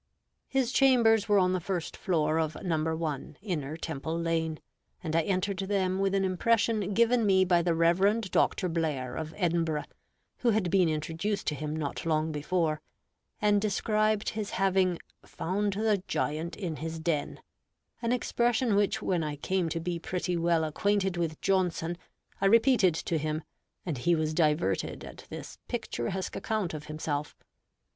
His chambers were on the first floor of No. 1, Inner Temple lane, and I entered them with an impression given me by the Reverend Dr. Blair, of Edinburgh, who had been introduced to him not long before, and described his having "found the giant in his den"; an expression which, when I came to be pretty well acquainted with Johnson, I repeated to him, and he was diverted at this picturesque account of himself.